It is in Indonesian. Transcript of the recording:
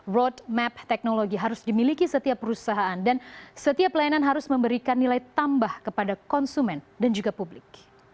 roadmap teknologi harus dimiliki setiap perusahaan dan setiap pelayanan harus memberikan nilai tambah kepada konsumen dan juga publik